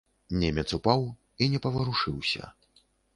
Немец упаў і не паварушыўся.